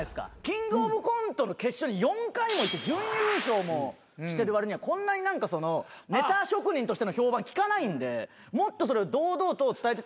キングオブコントの決勝に４回も行って準優勝もしてるわりにはこんなにネタ職人としての評判聞かないんでもっとそれを堂々と伝えてった方がいいのに。